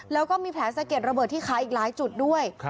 แล้วก็มีแผลสะเด็ดระเบิดที่ขาอีกหลายจุดด้วย